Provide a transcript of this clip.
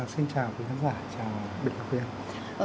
xin chào quý khán giả chào bệnh viện